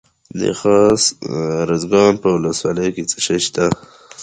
د خاص ارزګان په ولسوالۍ کې څه شی شته؟